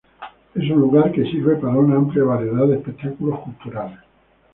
Es un lugar que sirve para una amplia variedad de espectáculos culturales.